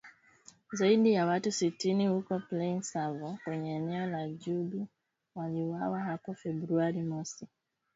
zaidi ya watu sitini huko Plaine Savo kwenye eneo la Djubu waliuawa hapo Februari mosi mwendesha mashtaka wa kijeshi Joseph Makelele aliiambia mahakama.